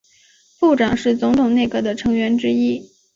部长是总统内阁的成员之一。